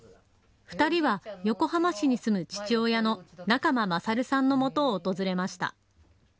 ２人は横浜市に住む父親の仲間賢さんのもとを訪れました。